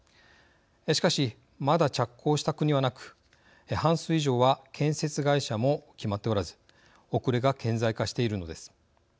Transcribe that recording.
しかし、まだ着工した国はなく半数以上は建設会社も決まっておらず遅れが顕在化しているのです。